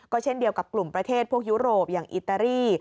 เช่นเดียวกับกลุ่มประเทศพวกยุโรปอย่างอิตาลี